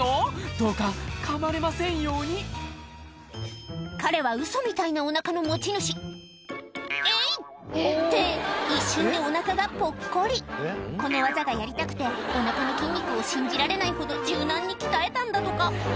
どうかかまれませんように彼はウソみたいなお腹の持ち主えい！って一瞬でお腹がぽっこりこの技がやりたくてお腹の筋肉を信じられないほど柔軟に鍛えたんだとか